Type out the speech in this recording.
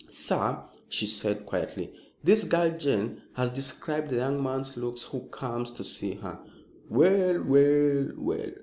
"Sir," she said quietly, "this girl Jane has described the young man's looks who comes to see her." "Well! well! well!"